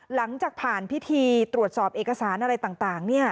หลังจากผ่านพิธีตรวจสอบเอกสารอะไรต่าง